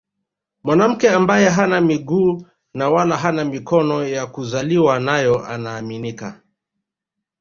Mwanamke ambaye hana miguu na wala hana mikono ya kuzaliwa nayo anaaminika